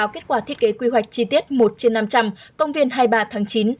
kế quy hoạch chi tiết một trên năm trăm linh công viên hai mươi ba tháng chín